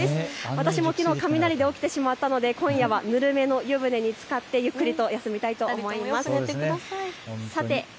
私もきのう雷で起きてしまったので、今夜はぬるめの湯船につかってゆっくりと休みたいと思います。